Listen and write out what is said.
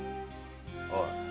おい。